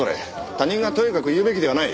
他人がとやかく言うべきではない。